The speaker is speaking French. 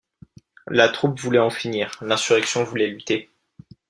La troupe voulait en finir ; l’insurrection voulait lutter.